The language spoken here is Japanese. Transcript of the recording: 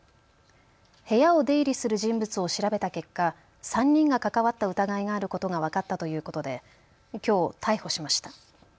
部屋を出入りする人物を調べた結果、３人が関わった疑いがあることが分かったということで、きょう逮捕しました。